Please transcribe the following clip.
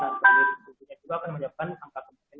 nah penelitian juga akan menunjukkan